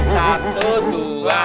satu dua tiga